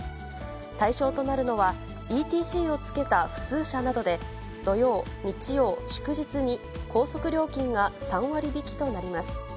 対象となるのは、ＥＴＣをつけた普通車などで、土曜、日曜、祝日に、高速料金が３割引きとなります。